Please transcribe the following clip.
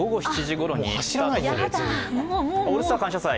「オールスター感謝祭」